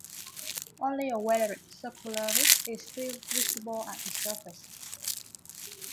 Only a weathered circular ridge is still visible at the surface.